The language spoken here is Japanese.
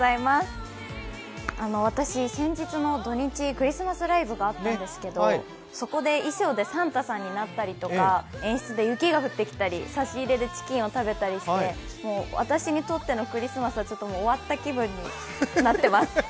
私、先日の土日、クリスマスライブがあったんですけどそこで衣装でサンタさんになったりとか演出で雪が降ってきたり、差し入れでチキンを食べたりしてもう私にとってのクリスマスは終わった気分になってます。